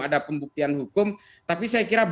ada pembuktian hukum tapi saya kira